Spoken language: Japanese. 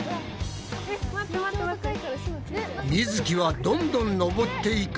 みづきはどんどん登っていく。